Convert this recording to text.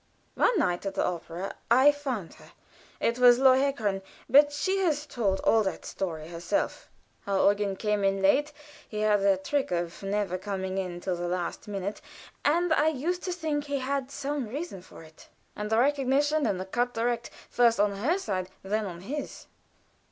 One night at the opera I found her. It was "Lohengrin" but she has told all that story herself how Eugen came in late (he had a trick of never coming in till the last minute, and I used to think he had some reason for it) and the recognition and the cut direct, first on her side, then on his.